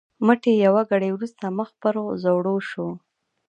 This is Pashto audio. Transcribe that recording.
مټې یوه ګړۍ وروسته مخ پر ځوړو شو.